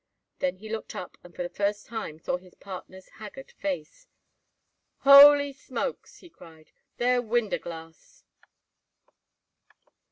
Then he looked up and for the first time saw his partner's haggard face. "Holy smokes!" he cried. "They're winder glass."